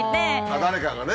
誰かがね？